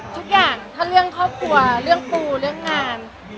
ทุกอย่างถ้าเรื่องครอบครัวเรื่องปูเรื่องงาน